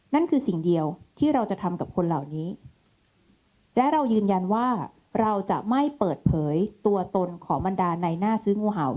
นั่นคือสิ่งเดียวที่เราจะทำกับคนเหล่านี้และเรายืนยันว่าเราจะไม่เปิดเผยตัวตนของบรรดาในหน้าซื้องูเห่า